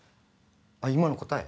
あっ今の答え？